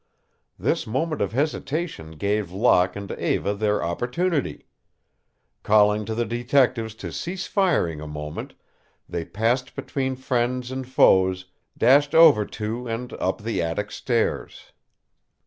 This moment of hesitation gave Locke and Eva their opportunity. Calling to the detectives to cease firing a moment, they passed between friends and foes, dashed over to and up the attic stairs.